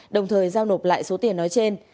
đồng thời giao nộp lại số tiền nói trên